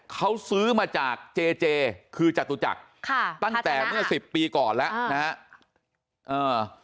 เขาซื้อมาจากเจเจคือจตุจักรค่ะตั้งแต่เมื่อสิบปีก่อนแล้วนะฮะ